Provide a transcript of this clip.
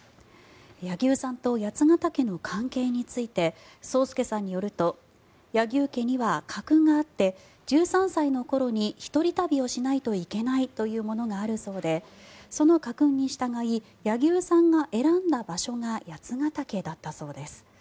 柳生さんと八ケ岳の関係について宗助さんによると柳生家には家訓があって１３歳の頃に一人旅をしないといけないというものがあるそうでその家訓に従い柳生さんが選んだ場所が八ケ岳だったそうです。